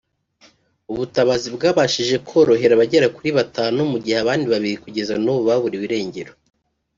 ubutabazi bwabashije kurohora abagera kuri batanu mu gihe abandi babiri kugeza n’ubu baburiwe irengero